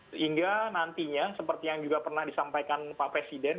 sehingga nantinya seperti yang juga pernah disampaikan pak presiden